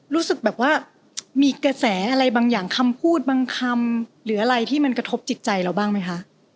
รู้สึกแบบว่ามีกระแสอะไรบางอย่างคำพูดบางคำหรืออะไรที่มันกระทบจิตใจเราบ้างไหมคะ